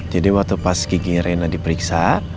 jadi waktu pas giginya rena diperiksa